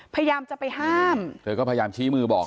พยายามจะไปห้ามเธอก็พยายามชี้มือบอก